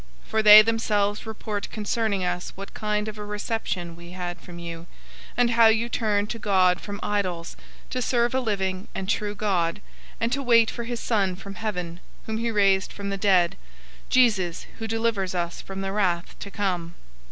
001:009 For they themselves report concerning us what kind of a reception we had from you; and how you turned to God from idols, to serve a living and true God, 001:010 and to wait for his Son from heaven, whom he raised from the dead Jesus, who delivers us from the wrath to come.